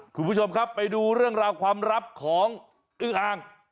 คุณผู้ชมครับไปดูเรื่องราวความลับของอึ้งอ่าง